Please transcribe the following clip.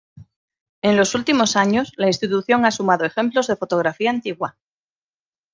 En los últimos años, la institución ha sumado ejemplos de fotografía antigua.